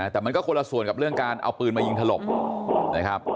แต่มันก็คนละส่วนกับเรื่องการเอาปืนมายิงถล่มนะครับ